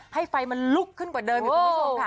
ให้ไฟมันลุกขึ้นกว่าเดินคุณผู้ชมค่ะ